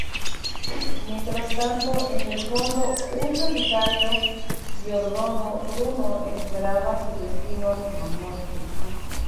Mientras tanto, en el fondo, un solitario Giordano Bruno espera su destino: la muerte.